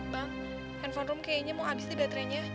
bang handphone rum kayaknya mau habis deh baterainya